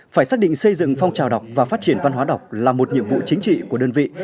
phải xác định xây dựng phong trào đọc và phát triển văn hóa đọc là một nhiệm vụ chính trị của đơn vị